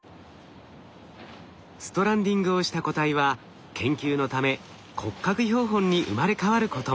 ストランディングをした個体は研究のため骨格標本に生まれ変わることも。